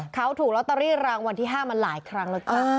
เขาถูกลอตเตอรี่รางวัลที่๕มาหลายครั้งแล้วจ้า